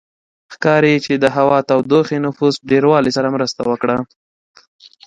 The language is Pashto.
ښکاري چې د هوا تودوخې نفوس ډېروالي سره مرسته وکړه